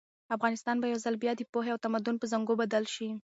افغانستان به یو ځل بیا د پوهې او تمدن په زانګو بدل شي.